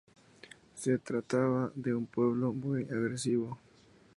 Se trataba de un pueblo muy agresivo.